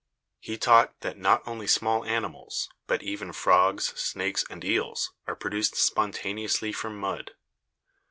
He taught that not only small animals, but even frogs, snakes and eels are produced spontaneously from mud.